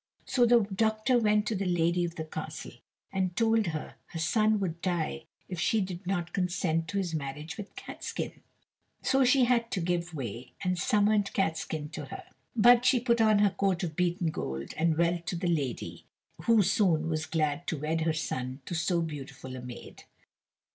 So the doctor went to the lady of the castle, and told her her son would die if she did not consent to his marriage with Catskin. So she had to give way, and summoned Catskin to her. But she put on her coat of beaten gold, and went to the lady, who soon was glad to wed her son to so beautiful a maid.